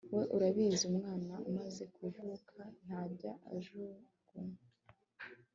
we. urabizi, umwana umaze kuvuka ntajya ajugunywa